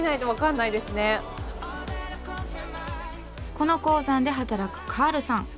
この鉱山で働くカールさん。